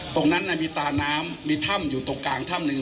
ตรงนั้นมีตาน้ำมีถ้ำอยู่ตรงกลางถ้ำหนึ่ง